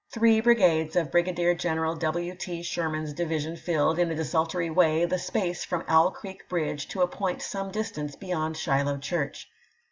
Three brigades of Brigadier General W. T. Sherman's division filled, in a desul tory way, the space from Owl Creek bridge to a point some distance beyond Shiloh Church.